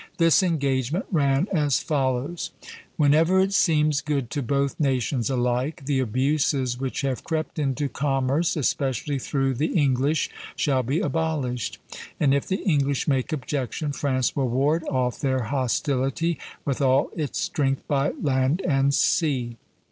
This engagement ran as follows: "Whenever it seems good to both nations alike, the abuses which have crept into commerce, especially through the English, shall be abolished; and if the English make objection, France will ward off their hostility with all its strength by land and sea."